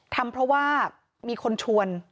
ทำเพราะว่ามีคนชวน